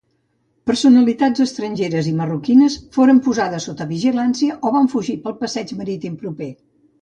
Personalitats estrangeres i marroquines foren posades sota vigilància o van fugir pel passeig marítim proper.